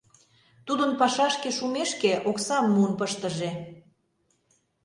Тудын пашашке шумешке, оксам муын пыштыже...